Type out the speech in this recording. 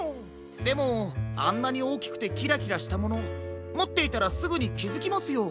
でもあんなにおおきくてキラキラしたものもっていたらすぐにきづきますよ。